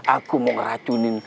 aku mau racuni